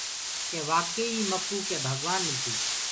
ڪي واڪي ئي مڪوُ ڪي ڀگوآن مِلسي۔